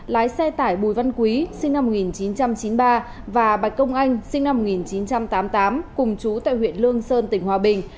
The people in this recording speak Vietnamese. lái xe tải bùi văn quý sinh năm một nghìn chín trăm chín mươi ba và bạch công anh sinh năm một nghìn chín trăm tám mươi tám cùng chú tại huyện lương sơn tỉnh hòa bình